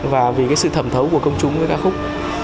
và vì cái sự thẩm thấu của công chúng với ca khúc